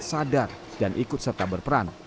sadar dan ikut serta berperan